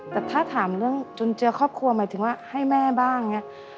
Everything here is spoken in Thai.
แต่ถ้าถามเรื่องจุนเจือครอบครัวหมายถึงว่าให้แม่บ้างอย่างนี้